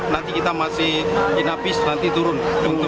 nanti kita masih inapis nanti turun